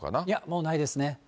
いや、もうないですね。